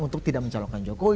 untuk tidak mencalonkan jokowi